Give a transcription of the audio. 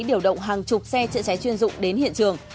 điều động hàng chục xe chữa cháy chuyên dụng đến hiện trường